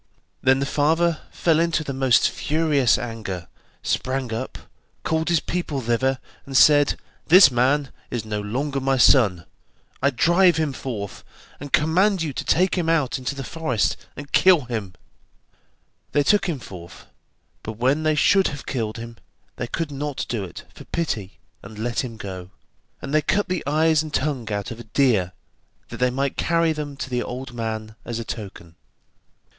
Then the father fell into the most furious anger, sprang up, called his people thither, and said: 'This man is no longer my son, I drive him forth, and command you to take him out into the forest, and kill him.' They took him forth, but when they should have killed him, they could not do it for pity, and let him go, and they cut the eyes and tongue out of a deer that they might carry them to the old man as a token.